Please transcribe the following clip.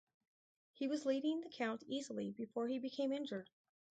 He was leading the count easily before he became injured.